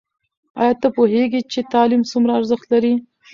ایا ته پوهېږې چې تعلیم څومره ارزښت لري؟